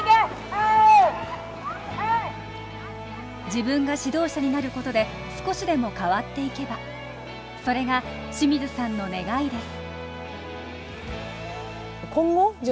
自分が指導者になることで少しでも変わっていけばそれが清水さんの願いです。